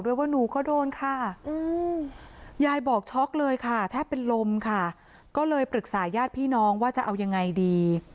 ยายบอกช็อคเลยค่ะแทบเป็นลมค่ะก็เลยปรึกษาย่าดพี่น้องว่าจะเอายังไงดี